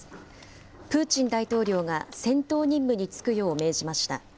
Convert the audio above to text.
プーチン大統領が戦闘任務に就くよう命じました。